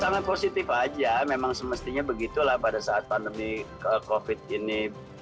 sangat positif aja memang semestinya begitulah pada saat pandemi covid ini